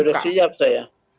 sudah siap saya